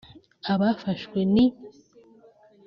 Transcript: Abafashwe ni